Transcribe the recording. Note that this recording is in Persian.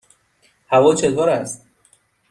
هوا چطور است؟